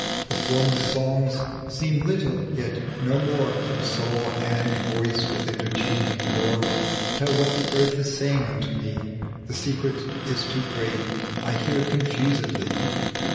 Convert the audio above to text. The former songs seem little, yet no more Can soul, hand, voice, with interchanging lore Tell what the earth is saying unto me : The secret is too great, I hear confusedly.